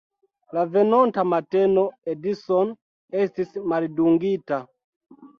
La venonta mateno Edison estis maldungita.